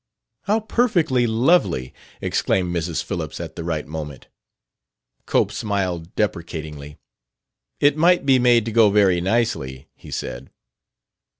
"How perfectly lovely!" exclaimed Mrs. Phillips, at the right moment. Cope smiled deprecatingly. "It might be made to go very nicely," he said.